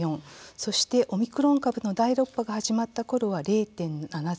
そしてオミクロン株の第６波が始まったころは０．７０。